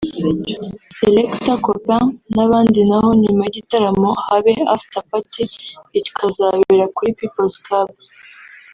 Selekta Copain n’abandi naho nyuma y'igitaramo habe 'afterparty' ikazabera kuri People’s Club